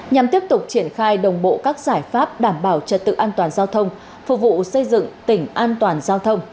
nhằm tiếp tục triển khai đồng bộ các giải pháp đảm bảo trật tự an toàn giao thông phục vụ xây dựng tỉnh an toàn giao thông